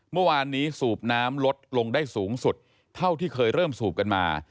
เมื่อวานนี้สูบน้ำลดลงได้สูงสุดเท่าที่เคยเริ่มสูบกันมา